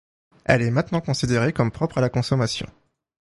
Elle est maintenant considérée comme propre à la consommation.